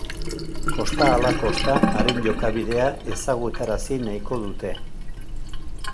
Kosta ahala kosta, haren jokabidea ezagutarazi nahiko dute.